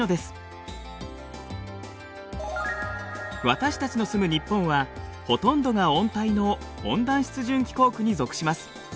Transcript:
私たちの住む日本はほとんどが温帯の温暖湿潤気候区に属します。